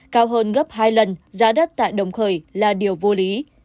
cao hơn gấp hai lần giá đất tại đồng khởi là điều vô lý